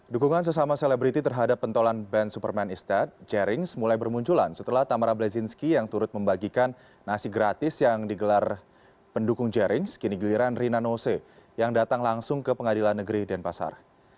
dukungan sesama selebriti terhadap pentolan band superman istad jerings mulai bermunculan setelah tamara blezinski yang turut membagikan nasi gratis yang digelar pendukung jerings kini giliran rina nose yang datang langsung ke pengadilan negeri denpasar